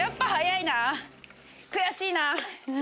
悔しいな！